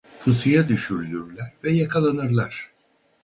Pusuya düşürülürler ve yakalanırlar.